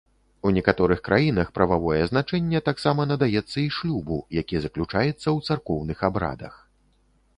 У некаторых краінах прававое значэнне таксама надаецца і шлюбу, які заключаецца ў царкоўных абрадах.